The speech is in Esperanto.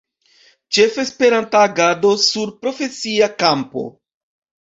Ĉefa Esperanta agado sur profesia kampo.